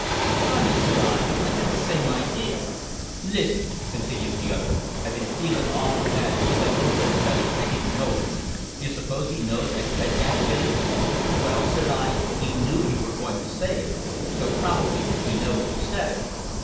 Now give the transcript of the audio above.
"Funny!" said I. "I had the same idea!" "Listen," continued the other, "I been feelin' awful bad because I told dem fellers I didn't know him. D' you suppose he knows I said dat, Billy?" "Well," said I, "he knew you were going to say it, so probably he knows you said it."